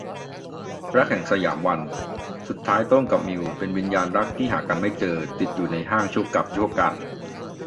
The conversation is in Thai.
รักแห่งสยามวัน - สุดท้ายโต้งกับมิวเป็นวิญญาณรักที่หากันไม่เจอ ติดอยู่ในห้างชั่วกัปกัลป์